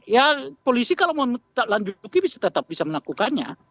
ya polisi kalau mau lanjutin tetap bisa melakukannya